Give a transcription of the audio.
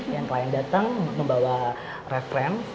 yang klien datang membawa refren